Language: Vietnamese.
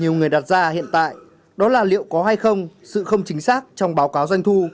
nhiều người đặt ra hiện tại đó là liệu có hay không sự không chính xác trong báo cáo doanh thu